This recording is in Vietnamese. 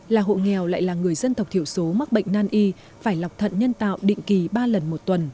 là hộ nghèo lại là người dân tộc thiểu số mắc bệnh nan y phải lọc thận nhân tạo định kỳ ba lần một tuần